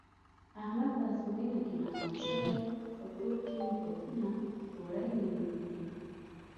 احمد په ازموینه کې ناکام شوی، په کور کې یې غوږونه کوړی نیولي دي.